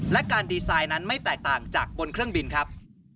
และการดีไซน์นั้นไม่แตกต่างจากบนเครื่องบินครับ